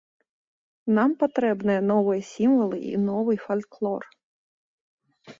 Нам патрэбныя новыя сімвалы і новы фальклор.